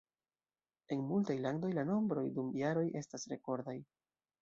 En multaj landoj la nombroj dum jaroj estas rekordaj.